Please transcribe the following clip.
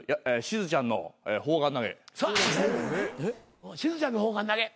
しずちゃんの砲丸投げ。